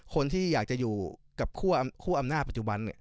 คนที่อยากจะอยู่กับคู่อำนาจปัจจุบัน